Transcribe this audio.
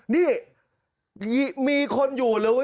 นี่มีคนอยู่เลย